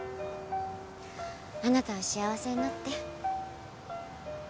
あなたは幸せになって。